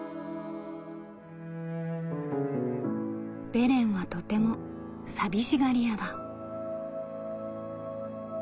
「ベレンはとても寂しがり屋だ」。